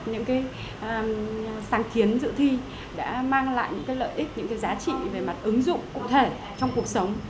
những cái sáng kiến dự thi đã mang lại những lợi ích những cái giá trị về mặt ứng dụng cụ thể trong cuộc sống